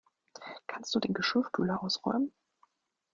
Kannst du den Geschirrspüler ausräumen?